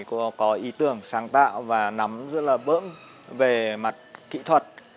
có ý tưởng sáng tạo và nắm rất là bớm về mặt kỹ thuật